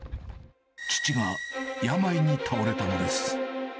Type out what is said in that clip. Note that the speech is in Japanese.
父が病に倒れたのです。